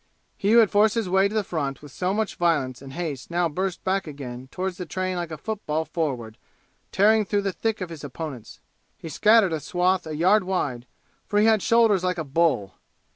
He who had forced his way to the front with so much violence and haste now burst back again toward the train like a football forward tearing through the thick of his opponents. He scattered a swath a yard wide, for he had shoulders like a bull.